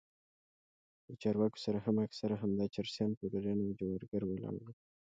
له چارواکو سره هم اکثره همدا چرسيان پوډريان او جوارگر ولاړ وو.